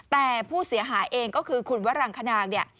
แต่ผู้เสียหายเองก็คือคุณวรังคณางเนี่ย